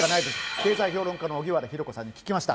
経済評論家の荻原博子さんに聞きました。